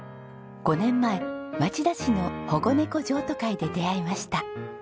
５年前町田市の保護猫譲渡会で出会いました。